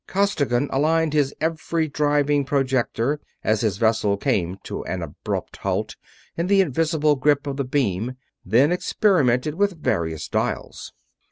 Costigan aligned his every driving projector as his vessel came to an abrupt halt in the invisible grip of the beam, then experimented with various dials.